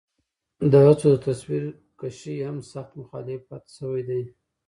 د هڅو د تصويرکشۍ هم سخت مخالفت شوے دے